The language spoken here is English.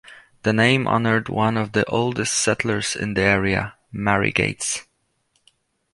The name honored one of the oldest settlers in the area, Mary Gates.